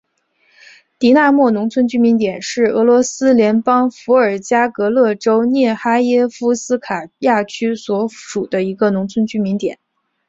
狄纳莫农村居民点是俄罗斯联邦伏尔加格勒州涅哈耶夫斯卡亚区所属的一个农村居民点。